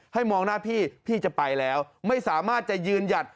มองหน้าพี่พี่จะไปแล้วไม่สามารถจะยืนหยัด